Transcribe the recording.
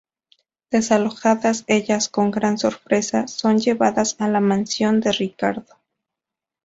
Desalojadas, ellas, con gran sorpresa, son llevadas a la mansión de Ricardo.